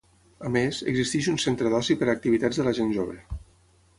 A més, existeix un Centre d'oci per a activitats de la gent jove.